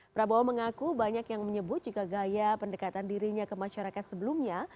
prabowo mengaku banyak yang menyebut jika gaya pendekatan dirinya ke masyarakat sebelumnya